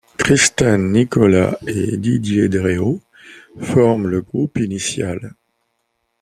Kristen Nikolas et Didier Dréau forment le groupe initial.